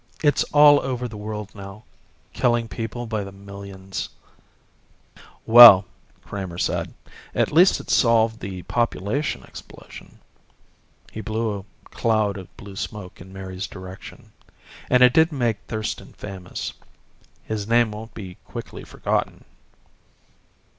It's all over the world now killing people by the millions." "Well," Kramer said, "at least it's solved the population explosion." He blew a cloud of blue smoke in Mary's direction. "And it did make Thurston famous. His name won't be quickly forgotten."